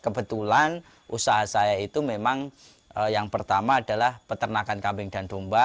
kebetulan usaha saya itu memang yang pertama adalah peternakan kambing dan domba